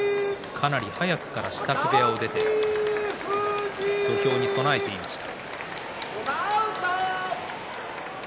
かなり早くから支度部屋を出て土俵に備えていました。